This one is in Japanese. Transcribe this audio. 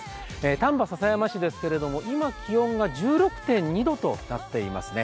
丹波篠山市ですけれども今、気温が１６．２度となっています。